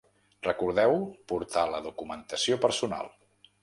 Recordeu portar la documentació personal.